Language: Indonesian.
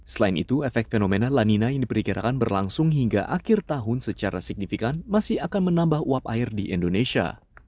selain itu efek fenomena lanina yang diperkirakan berlangsung hingga akhir tahun secara signifikan masih akan menambah uap air di indonesia